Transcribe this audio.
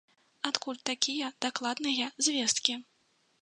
Адкуль такія дакладныя звесткі?